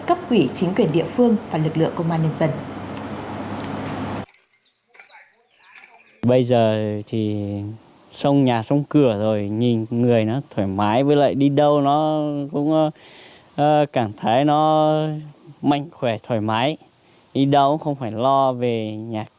cấp ủy chính quyền địa phương và lực lượng công an nhân dân